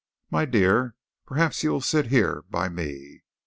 My dear perhaps you will sit here by me?